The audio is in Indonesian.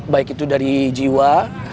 baik itu dari jiwa